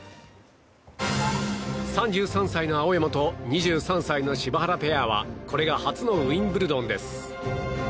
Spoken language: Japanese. ３３歳の青山と２３歳の柴原ペアはこれが初のウィンブルドンです。